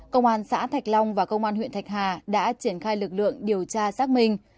công an xã thạch long và công an huyện thạch hà đã triển khai lực lượng điều tra xác minh